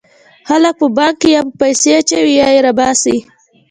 خلک په بانک کې یا پیسې اچوي یا یې را باسي.